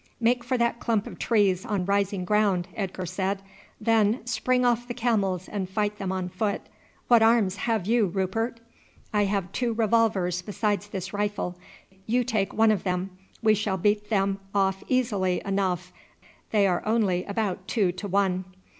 "Make for that clump of trees on rising ground," Edgar said; "then spring off the camels and fight them on foot. What arms have you, Rupert?" "I have two revolvers besides this rifle. You take one of them; we shall beat them off easily enough, they are only about two to one."